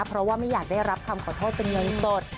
เพราะว่าไม่อยากได้รับคำขอโทษเป็นเงินสด